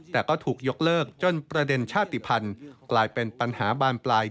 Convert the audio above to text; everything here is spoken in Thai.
แต่ก็ถูกยกเลิกจนประเด็นชาติภัณฑ์กลายเป็นปัญหาบานปลาย